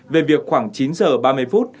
về việc khoảng chín h ba mươi phút